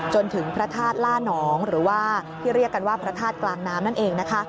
จนถึงพระธาตุล่านองหรือว่าที่เรียกกันว่าพระธาตุกลางน้ำนั่นเองนะคะ